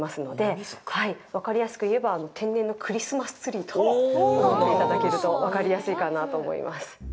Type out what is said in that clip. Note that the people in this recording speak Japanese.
分かりやすく言えば天然のクリスマスツリーと思っていただけると分かりやすいかなと思います。